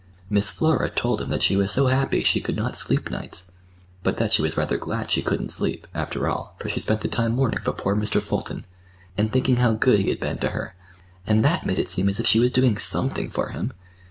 Miss Flora told him that she was so happy she could not sleep nights, but that she was rather glad she couldn't sleep, after all, for she spent the time mourning for poor Mr. Fulton, and thinking how good he had been to her. And that made it seem as if she was doing something for him.